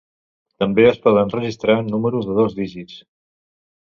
També es poden registrar números de dos dígits.